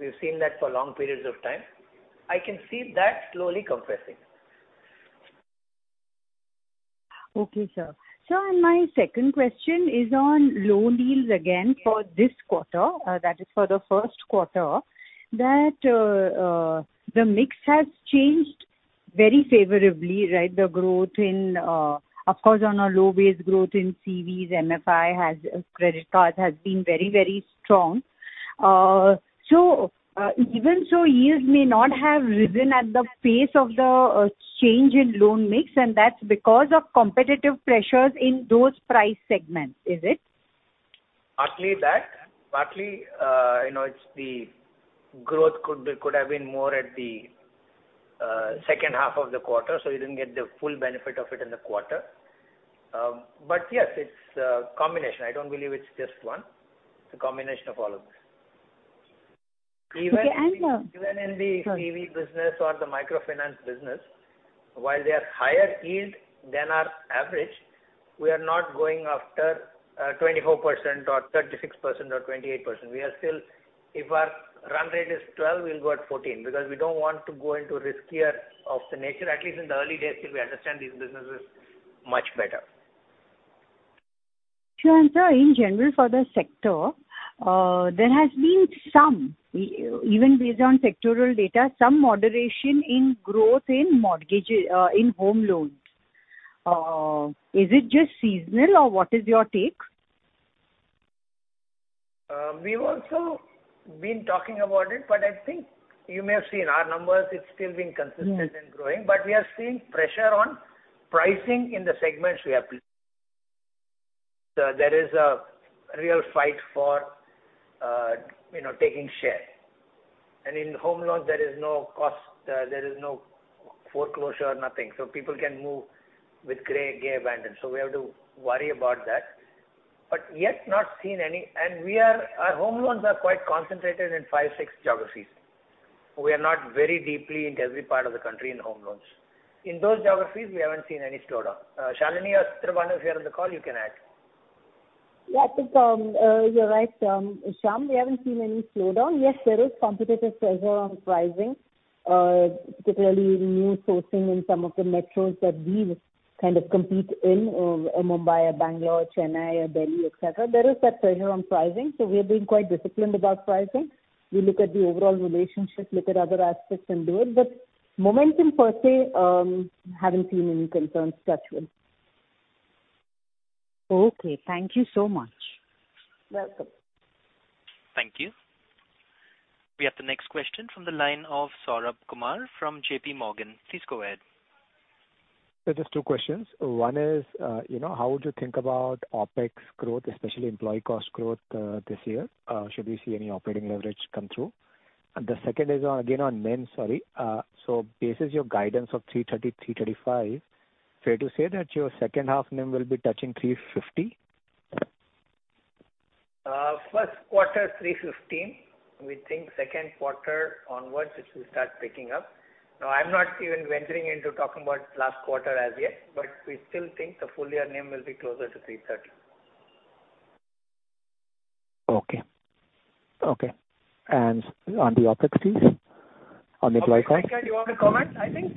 We've seen that for long periods of time. I can see that slowly compressing. Okay, sir. My second question is on loan deals again for this quarter, that is for the first quarter, that the mix has changed very favorably, right? The growth in, of course, on a low base growth in CVs, MFI has, credit card has been very, very strong. Even so, yields may not have risen at the pace of the change in loan mix, and that's because of competitive pressures in those price segments, is it? Partly that, partly, you know, it's the growth could have been more at the second half of the quarter, so you didn't get the full benefit of it in the quarter. Yes, it's a combination. I don't believe it's just one. It's a combination of all of this. Okay. Even in the CV business or the microfinance business, while they are higher yield than our average, we are not going after 24% or 36% or 28%. We are still, if our run rate is 12, we'll go at 14, because we don't want to go into riskier of the nature, at least in the early days, till we understand these businesses much better. Sure. Sir, in general for the sector, there has been some, even based on sectoral data, some moderation in growth in mortgages, in home loans. Is it just seasonal or what is your take? We've also been talking about it, but I think you may have seen our numbers, it's still been consistent and growing. Mm. We are seeing pressure on pricing in the segments we operate. There is a real fight for, you know, taking share. In home loans, there is no cost, there is no foreclosure or nothing. People can move with gray, gay abandon. We have to worry about that. Yet not seen any... We are, our home loans are quite concentrated in five, six geographies. We are not very deeply into every part of the country in home loans. In those geographies, we haven't seen any slowdown. Shalini or Shalini Warrier, if you're on the call, you can add. I think, you're right, Shyam, we haven't seen any slowdown. There is competitive pressure on pricing, particularly new sourcing in some of the metros that we kind of compete in, Mumbai or Bangalore or Chennai or Delhi, et cetera. There is that pressure on pricing. We are being quite disciplined about pricing. We look at the overall relationship, look at other aspects and do it. Momentum per se, haven't seen any concerns touch with. Okay, thank you so much. Welcome. Thank you. We have the next question from the line of Saurabh Kumar from JP Morgan. Please go ahead. Sir, just two questions. One is, you know, how would you think about OpEx growth, especially employee cost growth, this year? Should we see any operating leverage come through? The second is on, again, on NIM, sorry. Basis your guidance of 3.30%-3.35%, fair to say that your second half NIM will be touching 3.50%? First quarter, 3.15%. We think second quarter onwards, it will start picking up. I'm not even venturing into talking about last quarter as yet, but we still think the full year NIM will be closer to 3.30%. Okay. Okay, on the OpEx, please, on the employee cost? Okay, Venkat, do you want to comment? I think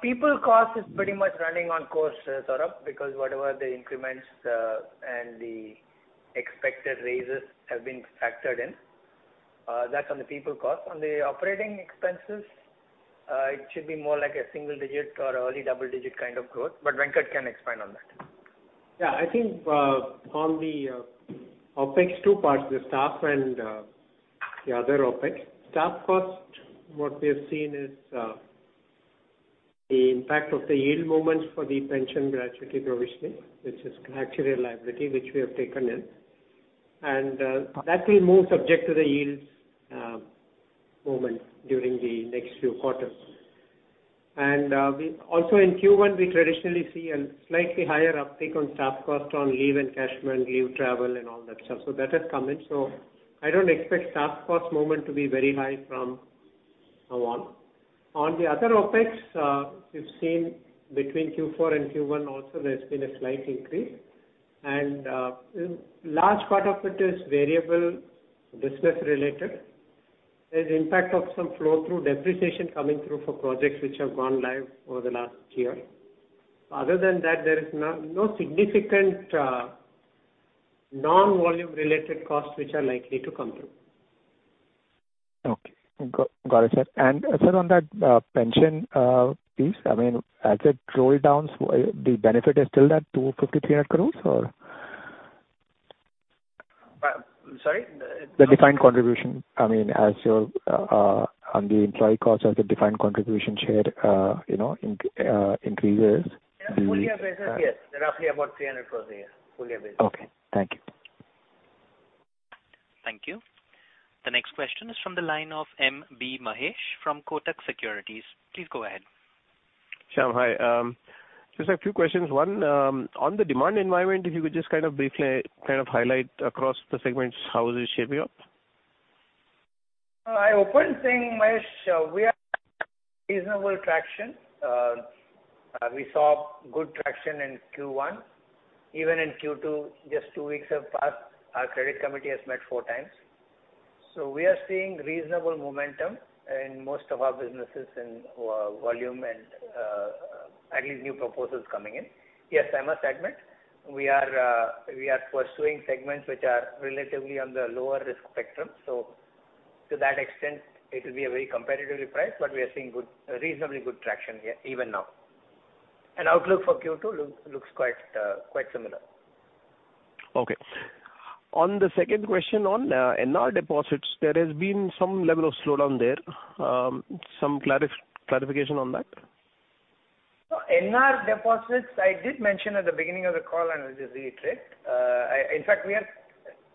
people cost is pretty much running on course, Saurabh, because whatever the increments and the expected raises have been factored in, that's on the people cost. On the operating expenses, it should be more like a single digit or early double digit kind of growth, but Venkat can expand on that. Yeah, I think on the OpEx, two parts, the staff and the other OpEx. Staff cost, what we have seen is the impact of the yield moments for the pension gradually provisioning, which is actually a liability, which we have taken in. That will move subject to the yields moment during the next few quarters. We also in Q1, we traditionally see a slightly higher uptake on staff cost, on leave encashment, leave travel and all that stuff. That has come in. I don't expect staff cost moment to be very high from now on. On the other OpEx, you've seen between Q4 and Q1 also, there's been a slight increase. Large part of it is variable business related. There's impact of some flow-through depreciation coming through for projects which have gone live over the last year. Other than that, there is no significant non-volume related costs which are likely to come through. Okay, got it, sir. Sir, on that, pension, piece, I mean, as it roll downs, the benefit is still that 250 crore-300 crore, or? Sorry? The defined contribution. I mean, as your on the employee cost of the defined contribution share, you know, increases. Yeah, full year basis, yes. Roughly about 300 crores a year, full year basis. Okay, thank you. Thank you. The next question is from the line of MB Mahesh from Kotak Securities. Please go ahead. Shyam, hi. Just a few questions. One, on the demand environment, if you could just kind of briefly kind of highlight across the segments, how is it shaping up? I open saying, Mahesh, we are reasonable traction. We saw good traction in Q1. Even in Q2, just 2 weeks have passed, our credit committee has met four times. We are seeing reasonable momentum in most of our businesses in volume and at least new proposals coming in. I must admit, we are pursuing segments which are relatively on the lower risk spectrum, so to that extent, it will be a very competitively priced, but we are seeing good, reasonably good traction here, even now. Outlook for Q2 looks quite similar. On the second question on NR deposits, there has been some level of slowdown there. Some clarification on that? NR deposits, I did mention at the beginning of the call, and I'll just reiterate. In fact, we are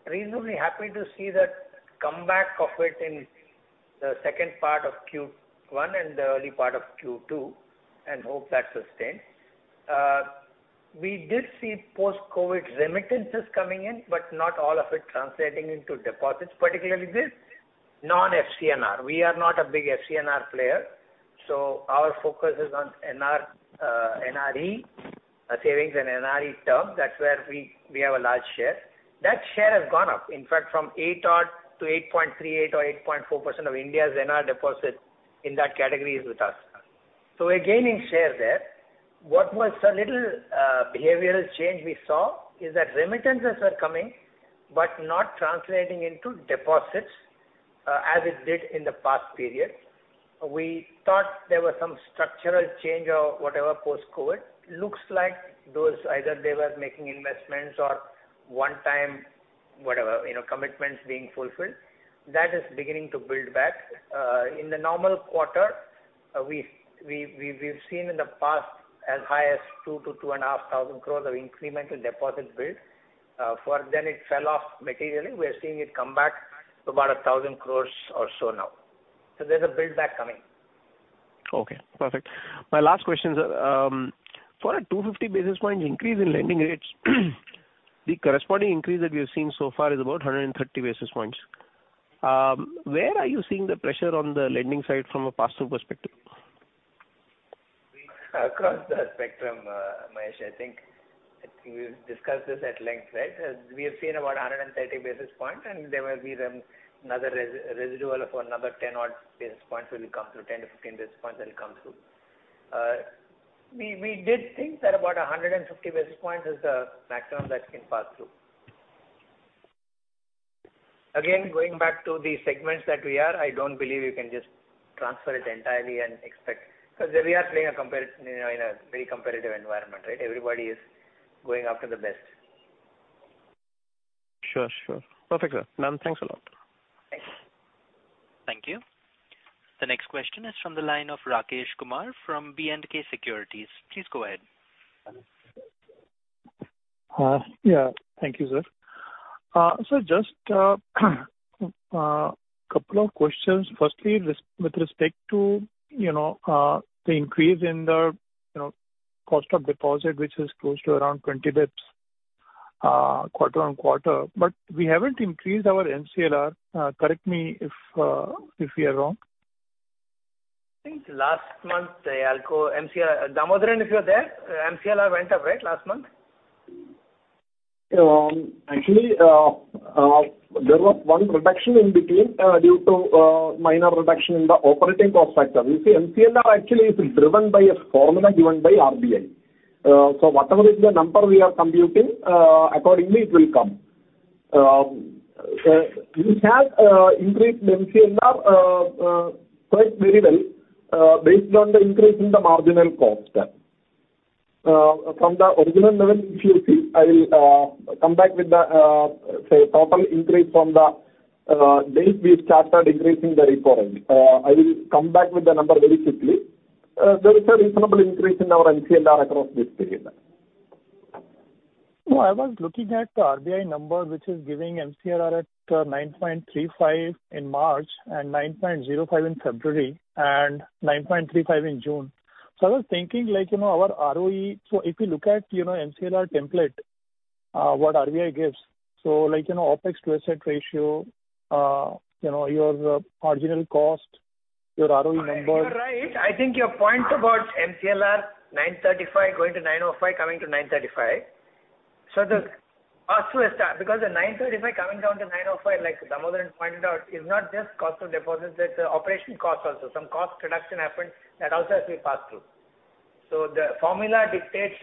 reasonably happy to see that comeback of it in the second part of Q1 and the early part of Q2, and hope that sustains. We did see post-COVID remittances coming in, but not all of it translating into deposits, particularly the non FCNR. We are not a big FCNR player, our focus is on NR, NRE, savings and NRE term. That's where we have a large share. That share has gone up, in fact, from 8 odd to 8.3, 8 or 8.4% of India's NR deposit in that category is with us. We're gaining share there. What was a little behavioral change we saw is that remittances are coming, but not translating into deposits, as it did in the past period. We thought there was some structural change or whatever, post-COVID. Looks like those, either they were making investments or one-time, whatever, you know, commitments being fulfilled. That is beginning to build back. In the normal quarter, we've seen in the past as high as 2,000 crores-2,500 crores of incremental deposit build. It fell off materially. We are seeing it come back to about 1,000 crores or so now. There's a build back coming. Okay, perfect. My last question is, for a 250 basis point increase in lending rates, the corresponding increase that we have seen so far is about 130 basis points. Where are you seeing the pressure on the lending side from a pass-through perspective? Across the spectrum, Mahesh, I think we've discussed this at length, right? We have seen about 130 basis point, and there will be another residual of another 10 odd basis points will come through, 10-15 basis points will come through. We did think that about 150 basis points is the maximum that can pass through. Again, going back to the segments that we are, I don't believe you can just transfer it entirely and expect... Because we are playing a you know, in a very competitive environment, right? Everybody is going after the best. Sure, sure. Perfect, sir. Ma'am, thanks a lot. Thanks. Thank you. The next question is from the line of Rakesh Kumar from B&K Securities. Please go ahead. Yeah, thank you, sir. Just a couple of questions. Firstly, with respect to, you know, the increase in the, you know, cost of deposit, which is close to around 20 basis points, quarter-on-quarter, but we haven't increased our MCLR. Correct me if we are wrong. I think last month, I'll go MCLR, Damodaran, if you're there, MCLR went up, right, last month? Actually, there was one reduction in between, due to minor reduction in the operating cost factor. You see, MCLR actually is driven by a formula given by RBI. Whatever is the number we are computing, accordingly it will come. We have increased MCLR quite very well, based on the increase in the marginal cost. From the original level, if you see, I will come back with the say, total increase from the date we started increasing the repo rate. I will come back with the number very quickly. There is a reasonable increase in our MCLR across this period. No, I was looking at the RBI number, which is giving MCLR at 9.35% in March and 9.05% in February, and 9.35% in June. I was thinking, like, you know, our ROE, so if you look at, you know, MCLR template, what RBI gives, so like, you know, OPEX to asset ratio, you know, your marginal cost, your ROE numbers. You are right. I think your point about MCLR, 9.35% going to 9.05%, coming to 9.35%. The pass-through is that, because the 9.35% coming down to 9.05%, like Damodaran pointed out, is not just cost of deposits, it's operation cost also. Some cost reduction happened, that also has been passed through. The formula dictates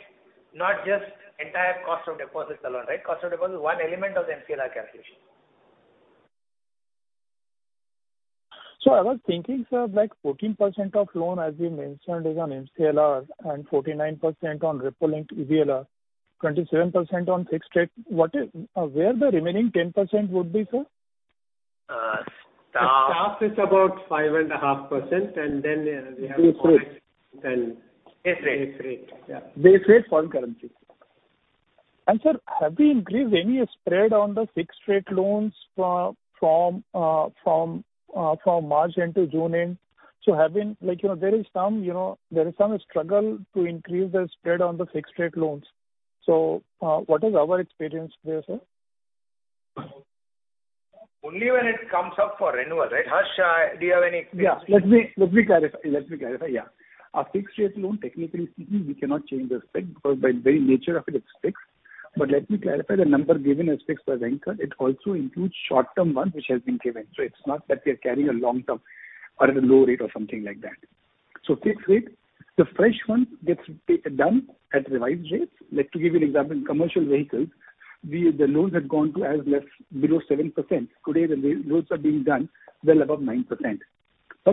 not just entire cost of deposits alone, right? Cost of deposit is one element of the MCLR calculation. I was thinking, sir, like 14% of loan, as you mentioned, is on MCLR and 49% on repo-linked EBLR, 27% on fixed rate. What is, where the remaining 10% would be, sir? Staff is about 5.5%. Base rate. base rate. Base rate, yeah. Base rate for currency. Sir, have we increased any spread on the fixed rate loans from March into June end? Have been like, you know, there is some struggle to increase the spread on the fixed rate loans. What is our experience there, sir? Only when it comes up for renewal, right? Harsh, do you have any experience? Let me clarify. Let me clarify, yeah. A fixed rate loan, technically speaking, we cannot change the spread, because by the very nature of it's fixed. Let me clarify, the number given as fixed by banker, it also includes short-term ones, which has been given. It's not that we are carrying a long-term or at a low rate or something like that. Fixed rate, the fresh one gets taken down at revised rates. Like to give you an example, in commercial vehicles, the loans had gone to as less below 7%. Today, the loans are being done well above 9%.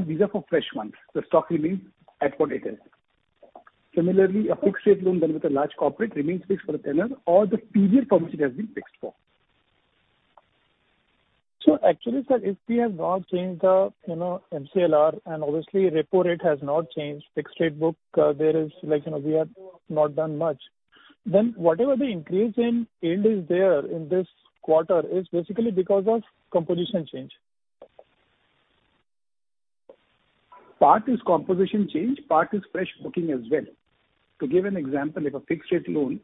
These are for fresh ones. The stock remains at what it is. Similarly, a fixed rate loan done with a large corporate remains fixed for a tenure or the period for which it has been fixed for. Actually, sir, if we have not changed the, you know, MCLR and obviously repo rate has not changed, fixed rate book, there is like, you know, we have not done much. Whatever the increase in yield is there in this quarter is basically because of composition change.bPart is composition change, part is fresh booking as well. To give an example, if a fixed rate loan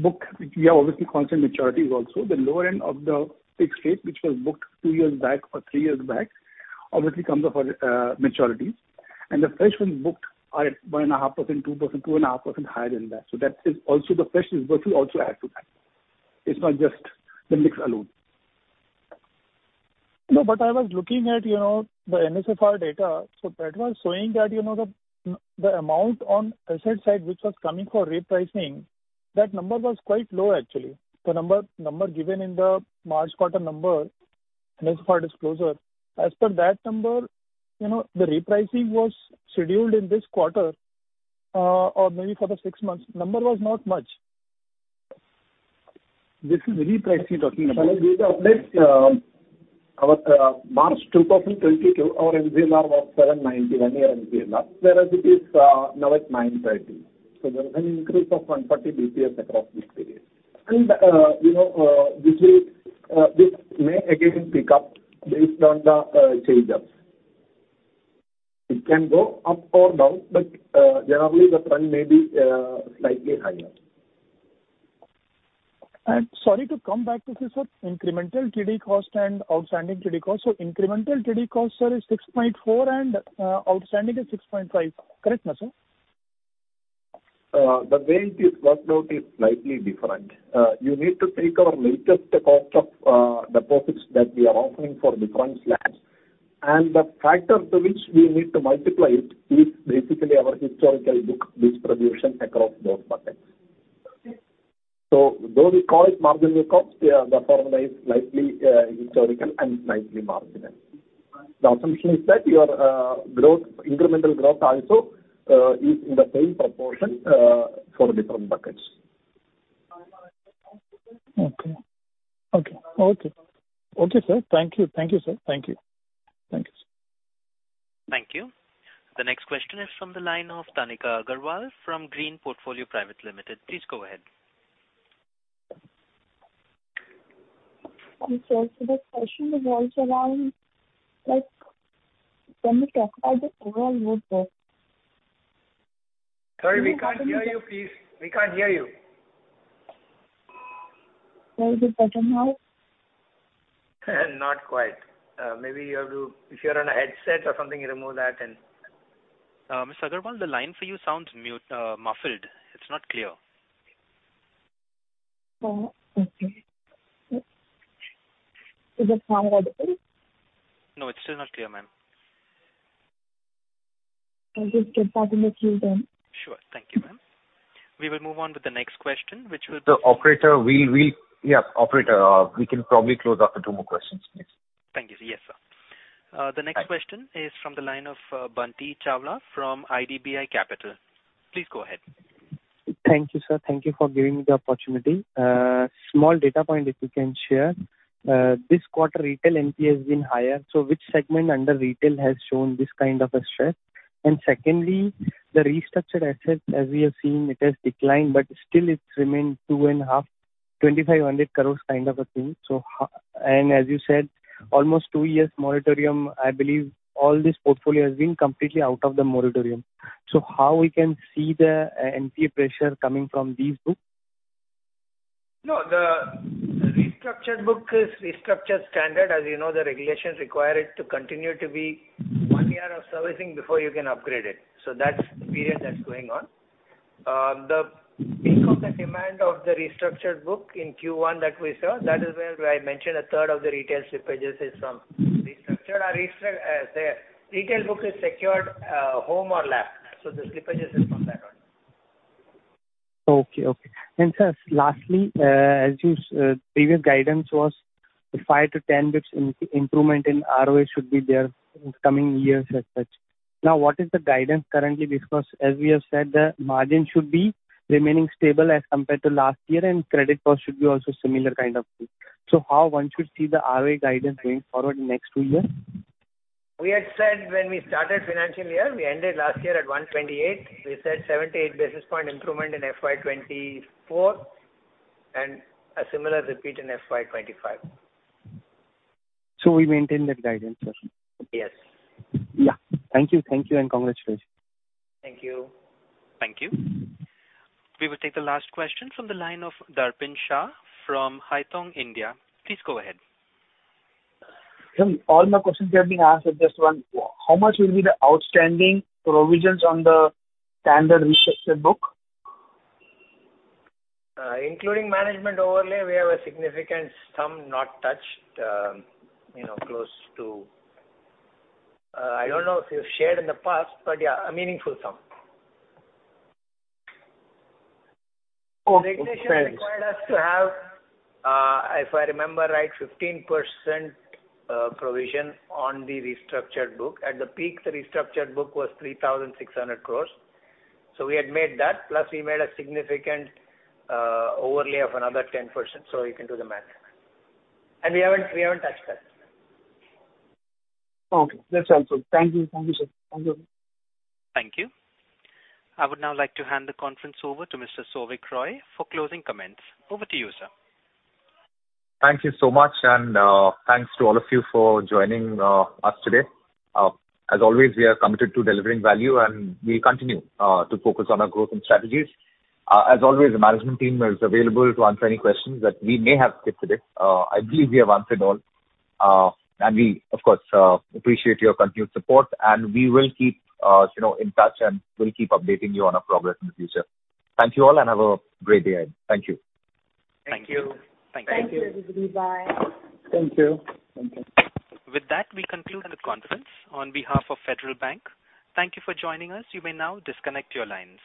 book, we have obviously constant maturities also. The lower end of the fixed rate, which was booked 2 years back or 3 years back, obviously comes off maturity. The fresh ones booked are at 1.5%, 2%, 2.5% higher than that. That is also the fresh is what we also add to that. It's not just the mix alone. I was looking at, you know, the NSFR data. That one's showing that, you know, the amount on asset side, which was coming for repricing, that number was quite low, actually. The number given in the March quarter number, NSFR disclosure. As per that number, you know, the repricing was scheduled in this quarter, or maybe for the six months. Number was not much. This is repricing talking about. Sir, as we update, our, March 2022, our MCLR was 790, one year MCLR, whereas it is, now at 930. There is an increase of 140 BPS across this period. You know, this is, this may again pick up based on the, change ups. It can go up or down, but, generally, the trend may be, slightly higher. Sorry to come back to this, sir, incremental TD cost and outstanding TD cost. Incremental TD cost, sir, is 6.4%, outstanding is 6.5%. Correct me, sir? The way it is worked out is slightly different. You need to take our latest cost of deposits that we are offering for different slabs, and the factor to which we need to multiply it is basically our historical book distribution across those buckets. Though we call it marginal cost, the formula is slightly historical and slightly marginal. The assumption is that your growth, incremental growth also, is in the same proportion for the different buckets. Okay. Okay. Okay. Okay, sir. Thank you. Thank you, sir. Thank you. Thank you. Thank you. The next question is from the line of Tanika Aggarwal from Green Portfolio Private Limited. Please go ahead. Sir, the question revolves around, like, can we talk about the overall road map? Sorry, we can't hear you, please. We can't hear you. Is it better now? Not quite. Maybe you have to... If you're on a headset or something, you remove that and- Miss Aggarwal, the line for you sounds mute, muffled. It's not clear. Oh, okay. Is it now better? No, it's still not clear, ma'am. I'll just get back in the queue then. Sure. Thank you, ma'am. We will move on with the next question, which will. The operator, Yeah, operator, we can probably close after two more questions, please. Thank you, sir. Yes, sir. Thanks. The next question is from the line of Bunty Chawla from IDBI Capital. Please go ahead. Thank you, sir. Thank you for giving me the opportunity. Small data point, if you can share. This quarter, retail NPA has been higher, so which segment under retail has shown this kind of a stress? Secondly, the restructured assets, as we have seen, it has declined, but still it's remained two and a half, 2,500 crores kind of a thing. As you said, almost two years moratorium, I believe all this portfolio has been completely out of the moratorium. How we can see the NPA pressure coming from these books? No, the restructured book is restructured standard. As you know, the regulations require it to continue to be 1 year of servicing before you can upgrade it. That's the period that's going on because the demand of the restructured book in Q1 that we saw, that is where I mentioned a third of the retail slippages is from. Restructured or the retail book is secured, home or LAP, so the slippages is from that one. Okay, okay. Sir, lastly, as you previous guidance was the 5-10 bits improvement in ROA should be there in coming years as such. What is the guidance currently? As we have said, the margin should be remaining stable as compared to last year, and credit cost should be also similar kind of thing. How one should see the ROA guidance going forward in next two years? We had said when we started financial year, we ended last year at 128. We said 78 basis point improvement in FY 2024, and a similar repeat in FY 2025. We maintain that guidance, sir? Yes. Yeah. Thank you. Thank you, and congratulations. Thank you. Thank you. We will take the last question from the line of Darpin Shah from Haitong India. Please go ahead. Sir, all my questions have been asked, just one. How much will be the outstanding provisions on the standard restructured book? Including management overlay, we have a significant sum not touched, you know, close to, I don't know if we've shared in the past, but a meaningful sum. Okay, thanks. Required us to have, if I remember right, 15% provision on the restructured book. At the peak, the restructured book was 3,600 crores. We had made that, plus we made a significant overlay of another 10%, you can do the math. We haven't touched that. Okay, that's all. Thank you. Thank you, sir. Thank you. Thank you. I would now like to hand the conference over to Mr. Souvik Roy for closing comments. Over to you, sir. Thank you so much, and thanks to all of you for joining us today. As always, we are committed to delivering value, and we continue to focus on our growth and strategies. As always, the management team is available to answer any questions that we may have skipped today. I believe we have answered all, and we, of course, appreciate your continued support, and we will keep, you know, in touch, and we'll keep updating you on our progress in the future. Thank you all, and have a great day ahead. Thank you. Thank you. Thank you. Thank you, everybody. Bye. Thank you. Thank you. With that, we conclude the conference. On behalf of Federal Bank, thank you for joining us. You may now disconnect your lines.